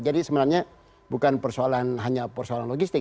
jadi sebenarnya bukan hanya persoalan logistik